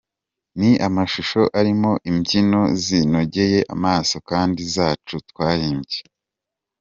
Ni amashusho arimo imbyino zinogeye amaso kandi zacu twahimbye.